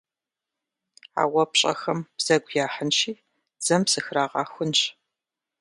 А уэ пщӏэхэм бзэгу яхьынщи, дзэм сыхрагъэхунщ.